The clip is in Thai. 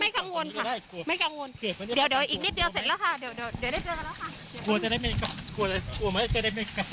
ไม่กลัวค่ะไม่เกลียดมีอะไรความผิดข้า